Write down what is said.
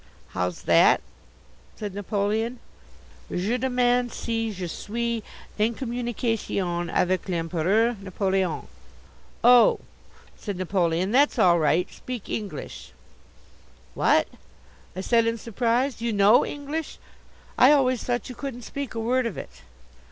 "How's that?" said Napoleon. "Je demande si je suis en communication avec l'Empereur Napoleon " "Oh," said Napoleon, "that's all right; speak English." "What!" I said in surprise. "You know English? I always thought you couldn't speak a word of it."